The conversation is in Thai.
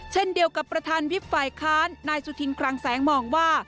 เช่นเดียวกับประธานวิบฝ่ายค้านนายสุธินคลังแสงมองว่า